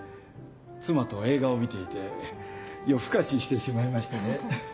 妻と映画を見ていて夜更かししてしまいましてね。